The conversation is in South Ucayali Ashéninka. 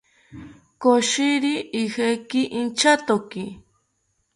Koshiri ijeki inchatoki